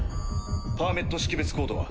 パーメット識別コードは？